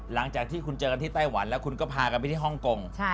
หลังจากที่คุณเจอกันที่ไต้หวันแล้วคุณก็พากันไปที่ฮ่องกง